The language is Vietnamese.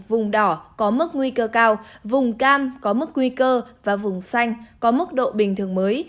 vùng đỏ có mức nguy cơ cao vùng cam có mức nguy cơ và vùng xanh có mức độ bình thường mới